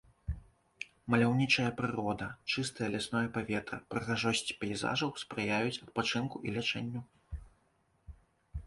Маляўнічая прырода, чыстае лясное паветра, прыгажосць пейзажаў спрыяюць адпачынку і лячэнню.